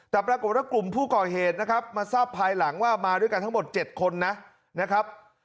แต่ปรากฏว่ากลุ่มผู้ก่อเหตุนะครับมาทราบภายหลังว่ามาด้วยกันทั้งหมด๗คนนะครับ